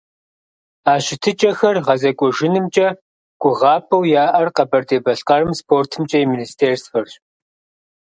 А щытыкӀэхэр гъэзэкӀуэжынымкӀэ гугъапӀэу яӀэр Къэбэрдей-Балъкъэрым СпортымкӀэ и министерствэрщ.